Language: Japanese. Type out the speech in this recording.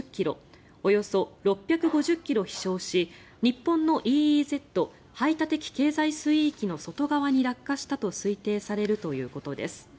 およそ６５０ｋｍ飛翔し日本のＥＥＺ・排他的経済水域の外側に落下したと推定されるということです。